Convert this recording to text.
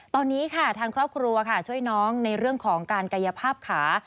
ตอนนี้ทางครอบครัวช่วยน้องในเรื่องของกายภาพขา